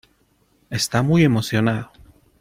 Está muy emocionado.